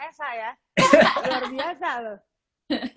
esa ya luar biasa loh